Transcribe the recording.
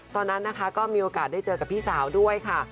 ตอนนั้นนะคะก็มีโอกาสได้เจอกับพี่สาวด้วยค่ะ